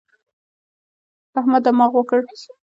احمد دماغ وکړ.